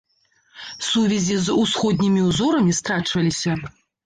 Сувязі з усходнімі ўзорамі страчваліся.